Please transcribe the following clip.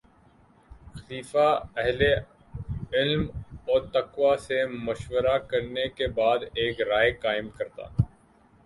خلیفہ اہلِ علم و تقویٰ سے مشورہ کرنے کے بعد ایک رائے قائم کرتا